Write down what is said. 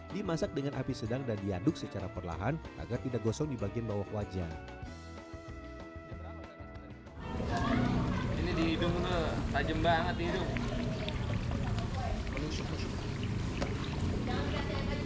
dimasak dengan api sedang dan diaduk secara perlahan agar tidak gosong di bagian bawah wajan